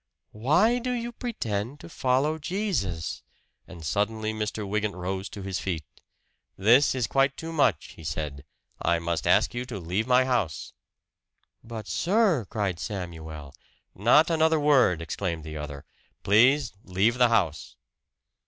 Why do you pretend to follow Jesus " And suddenly Mr. Wygant rose to his feet. "This is quite too much," he said. "I must ask you to leave my house." "But, sir!" cried Samuel. "Not another word!" exclaimed the other. "Please leave the house!"